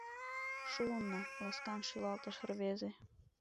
— Шуынна... — ласкан шӱлалтыш рвезе.